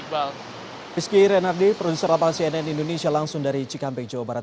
miski renardi produser apacnn indonesia langsung dari cikampek jawa barat